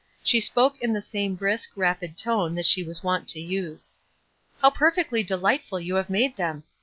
She spoke in the same brisk, rapid tone that she was wont to use. "How perfectly delightful you have made them!